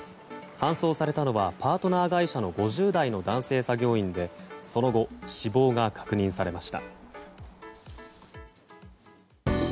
搬送されたのはパートナー会社の５０代の男性作業員でその後、死亡が確認されました。